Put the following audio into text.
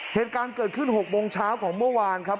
เหตุการณ์เกิดขึ้น๖โมงเช้าของเมื่อวานครับ